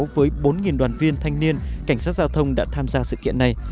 với bốn đoàn viên thanh niên cảnh sát giao thông đã tham gia sự kiện này